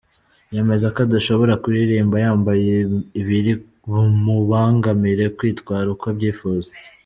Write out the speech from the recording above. Yemeza ko adashobora kuririmba yambaye ibiri bumubangamire kwitwara uko abyifuza.